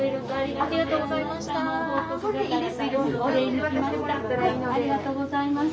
ありがとうございます。